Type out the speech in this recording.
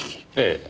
ええ。